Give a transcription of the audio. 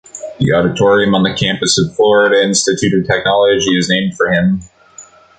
The auditorium on the campus of Florida Institute of Technology is named for him.